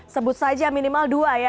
sebut saja minimal dua ya